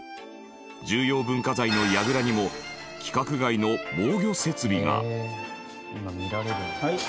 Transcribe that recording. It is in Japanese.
重要文化財の櫓にも規格外の防御設備が。